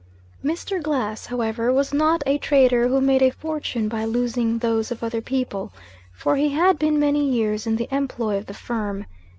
Mr. Glass, however, was not a trader who made a fortune by losing those of other people; for he had been many years in the employ of the firm.